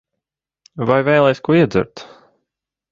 Vai vēlies ko iedzert?